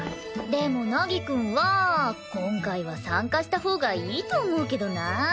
でも凪くんは今回は参加したほうがいいと思うけどな。